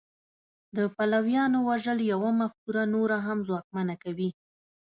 د پلویانو وژل یوه مفکوره نوره هم ځواکمنه کوي